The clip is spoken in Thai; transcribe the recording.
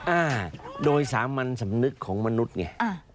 อ่าโดยสามัญสำนึกของมนุษย์ไง